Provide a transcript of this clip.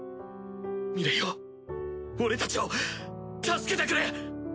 ミレイを俺たちを助けてくれ！！